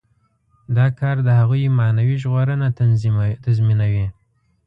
دا کار د هغوی معنوي ژغورنه تضمینوي.